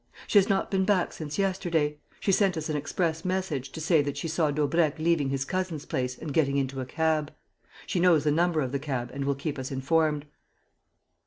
"She has not been back since yesterday; she sent us an express message to say that she saw Daubrecq leaving his cousins' place and getting into a cab. She knows the number of the cab and will keep us informed."